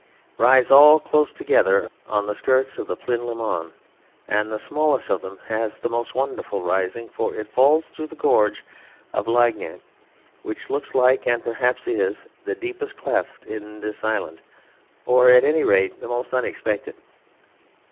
rise all close together on the skirts of Plinlimmon, and the smallest of them has the most wonderful rising, for it falls through the gorge of Llygnant, which looks like, and perhaps is, the deepest cleft in this island, or, at any rate, the most unexpected.